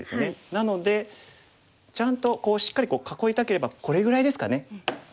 なのでちゃんとしっかり囲いたければこれぐらいですかね。